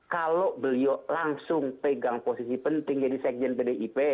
kalau beliau langsung pegang posisi penting jadi sekjen pdip